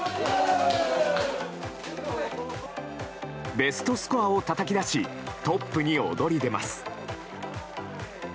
ベストスコアをたたき出しトップに躍り出ます。